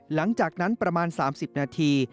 หลังจากนั้นประมาณ๓๐นาที